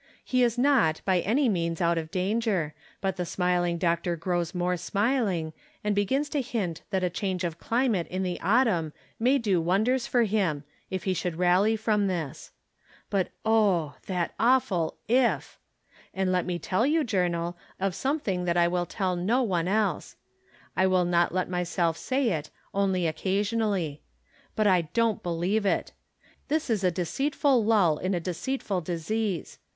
He is not by any means out of danger, but the smiling doctor grows more smiling, and begins to hint that a change of climate in the autumn may do wonders for him, if he should rally from this. But oh ! that awful " if." And let me tell you. Journal, of something that I wUl tell to no one else. I will not let myself say it, only occasionally. But I don't believe it ! This is a deceitful lull in a deceitful disease.